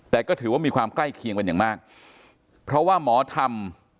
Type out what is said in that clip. แต่ก็ถือว่ามีความใกล้เคียงเป็นอย่างมากเพราะว่าหมอธรรม